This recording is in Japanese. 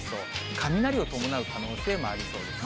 雷を伴う可能性もありそうです。